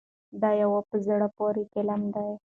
دا یو په زړه پورې فلم دی.